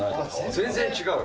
全然違う。